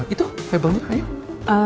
itu febelnya ayo